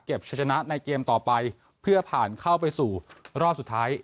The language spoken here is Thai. ชนะในเกมต่อไปเพื่อผ่านเข้าไปสู่รอบสุดท้าย